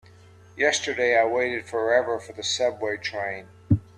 Yesterday I waited forever for the subway train.